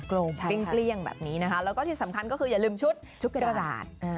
กลลี่ยงค่ะแล้วก็ที่สำคัญก็คืออย่าลืมชุดขนมกระดาษ